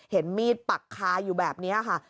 เห็นมีดปักคาอยู่แบบนี้ค่ะ